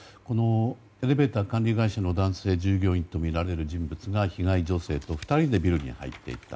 エレベーター管理会社の男性従業員とみられる人物が被害女性と２人でビルに入っていった。